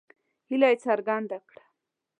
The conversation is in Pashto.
هیله یې څرګنده کړه.